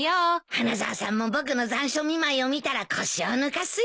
花沢さんも僕の残暑見舞いを見たら腰を抜かすよ。